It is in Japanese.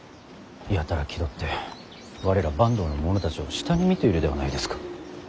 やたら気取って我ら坂東の者たちを下に見ているではないですか。